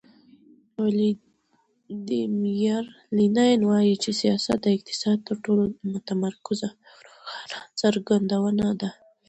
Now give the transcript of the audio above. ولادیمیر لینین وایي چې سیاست د اقتصاد تر ټولو متمرکزه او روښانه څرګندونه ده.